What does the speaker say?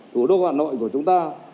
thủ đô hà nội của chúng ta